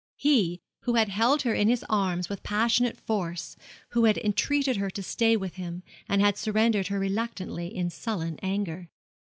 he who had held her in his arms with passionate force, who had entreated her to stay with him, and had surrendered her reluctantly in sullen anger.